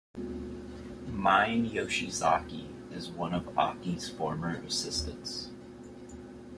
Mine Yoshizaki is one of Aki's former assistants.